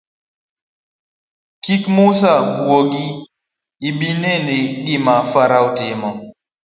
Kik Musa buogi ibiri neni gima farao timo.